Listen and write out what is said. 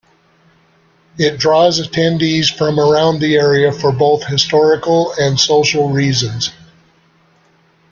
It draws attendees from around the area for both historical and social reasons.